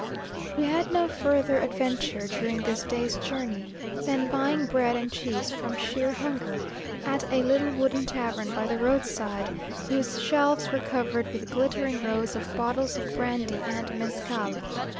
We had no further adventure during this day's journey, than buying bread and cheese from sheer hunger, at a little wooden tavern by the road side, whose shelves were covered with glittering rows of bottles of brandy and mezcal.